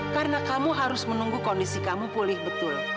karena kamu harus menunggu kondisi kamu pulih betul